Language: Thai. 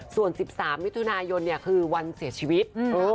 ส่วน๑๓มิถุนายนคือวันเสียชีวิต